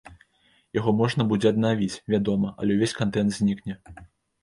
Яго можна будзе аднавіць, вядома, але увесь кантэнт знікне.